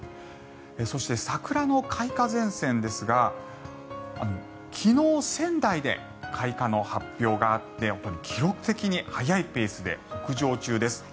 そして、桜の開花前線ですが昨日、仙台で開花の発表があって本当に記録的に速いペースで北上中です。